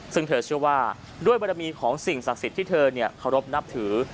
ซึ่งเธอเชื่อว่าด้วยบรมีของสิ่งศักดิ์สิทธิ์ที่เธอเคารพนับถือ